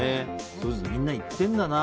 みんな行ってるんだな。